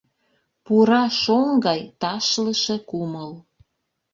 Пура шоҥ гай ташлыше кумыл.